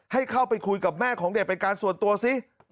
ให้เข้าไปคุยกับแม่ของเด็กเป็นการส่วนตัวซิ